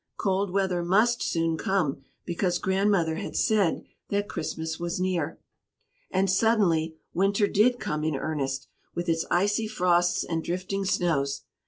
Cold weather must soon come, because Grandmother had said that Christmas was near. And suddenly winter did come in earnest, with its icy frosts and drifting snows.